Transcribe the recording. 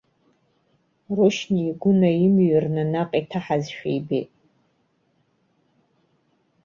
Рушьни игәы наимыҩрны наҟ иҭаҳазшәа ибеит.